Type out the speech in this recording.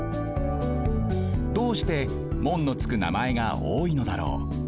どうして「門」のつくなまえがおおいのだろう。